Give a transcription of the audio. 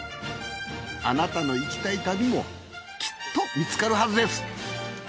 あなたの行きたい旅もきっと見つかるはずです